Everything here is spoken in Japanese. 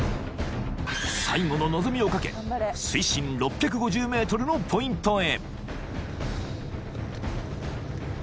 ［最後の望みを懸け水深６５０ｍのポイントへ］